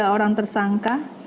tiga orang tersangka